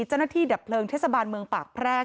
เจ้าหน้าที่ดับเพลิงเทศบาลเมืองปากแพรก